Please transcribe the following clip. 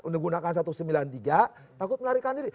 digunakan satu ratus sembilan puluh tiga takut melarikan diri